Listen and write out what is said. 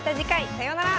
さようなら。